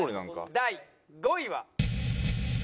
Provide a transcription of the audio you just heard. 第５位は。